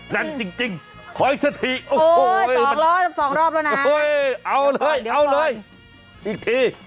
นั่นจริงหอยสติโอ้โหสองรอบแล้วนะเอาเลยเอาเลยอีกที